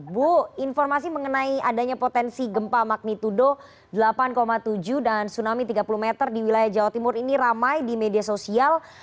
bu informasi mengenai adanya potensi gempa magnitudo delapan tujuh dan tsunami tiga puluh meter di wilayah jawa timur ini ramai di media sosial